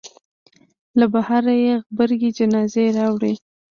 له بهره یې غبرګې جنازې راوړې.